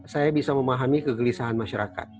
saya bisa memahami kegelisahan masyarakat